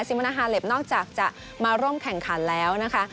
มนาฮาเล็บนอกจากจะมาร่วมแข่งขันแล้วนะคะ